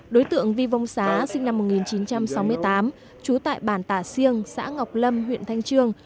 đối tượng vi vong xá sinh năm một nghìn chín trăm sáu mươi tám trú tại bản tả siêng xã ngọc lâm huyện thanh trương